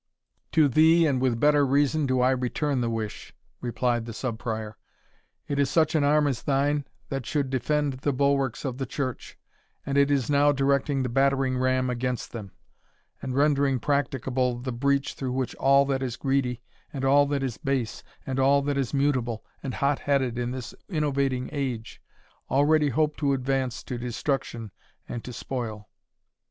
"To thee, and with better reason, do I return the wish," replied the Sub Prior; "it is such an arm as thine that should defend the bulwarks of the Church, and it is now directing the battering ram against them, and rendering practicable the breach through which all that is greedy, and all that is base, and all that is mutable and hot headed in this innovating age, already hope to advance to destruction and to spoil.